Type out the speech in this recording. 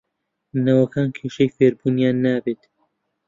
نەوەکان کێشەی فێربوونیان نەبێت